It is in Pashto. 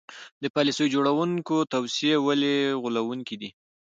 د پالیسي جوړوونکو توصیې ولې غولوونکې دي.